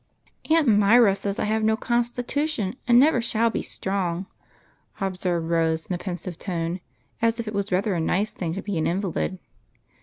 " Aunt Myra says I have no constitution, and never shall be strong," observed Rose, in a pensive tone, as if it was rather a nice thing to be an invalid.